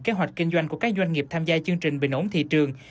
kế hoạch kinh doanh của các doanh nghiệp tham gia chương trình bình ổn thị trường